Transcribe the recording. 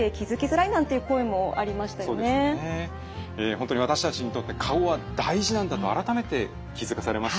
本当に私たちにとって顔は大事なんだと改めて気付かされました。